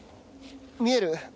見える？